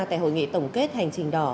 tại hội nghị tổng kết hành trình đỏ